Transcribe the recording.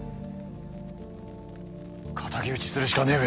敵討ちするしかねえべ！